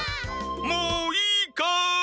もういいかい？